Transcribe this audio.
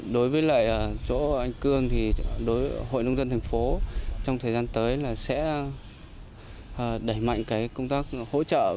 đối với lại chỗ anh cương thì đối với hội nông dân thành phố trong thời gian tới là sẽ đẩy mạnh công tác hỗ trợ